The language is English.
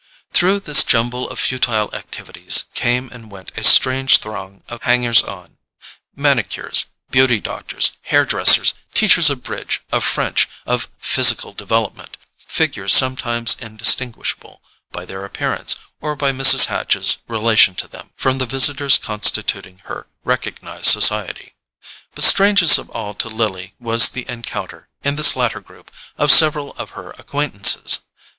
Through this jumble of futile activities came and went a strange throng of hangers on—manicures, beauty doctors, hair dressers, teachers of bridge, of French, of "physical development": figures sometimes indistinguishable, by their appearance, or by Mrs. Hatch's relation to them, from the visitors constituting her recognized society. But strangest of all to Lily was the encounter, in this latter group, of several of her acquaintances.